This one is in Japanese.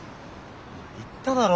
言っただろ？